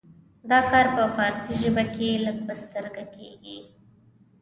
دا کار په فارسي ژبه کې لږ په سترګه کیږي.